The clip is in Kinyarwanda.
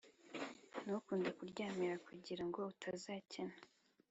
ntukunde kuryamīra kugira ngo utazakena,